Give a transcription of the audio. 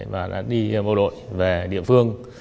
và đã đi vào đội về địa phương